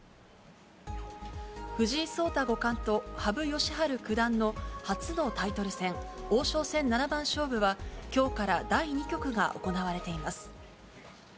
藤井聡太五冠と羽生善治九段の初のタイトル戦、王将戦七番勝負は、きょうから第２局が行われています。